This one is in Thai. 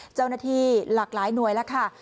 เจ้าหน้าที่หลากหลายหน่วยแล้วค่ะ